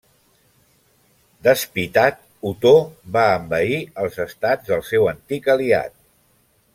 Despitat, Otó va envair els estats del seu antic aliat.